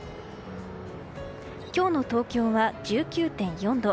今日の東京は１９．４度。